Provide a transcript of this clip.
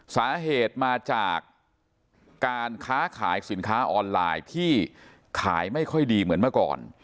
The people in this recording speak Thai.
สาเหตุมาจากการค้าขายสินค้าออนไลน์ที่ขายไม่ค่อยดีเหมือนเมื่อก่อน